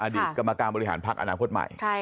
กรรมการบริหารพักอนาคตใหม่